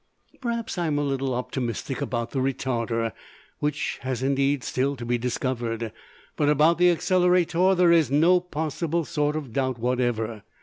Perhaps I am a little optimistic about the Retarder, which has indeed still to be discovered, but about the Accelerator there is no possible sort of doubt whatever.